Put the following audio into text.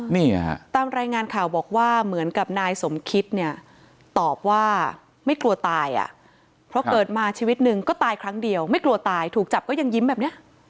นี่ฮะตามรายงานข่าวบอกว่าเหมือนกับนายสมคิดเนี่ยตอบว่าไม่กลัวตายอ่ะเพราะเกิดมาชีวิตหนึ่งก็ตายครั้งเดียวไม่กลัวตายถูกจับก็ยังยิ้มแบบเนี้ย